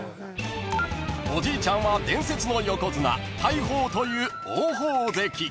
［おじいちゃんは伝説の横綱大鵬という王鵬関］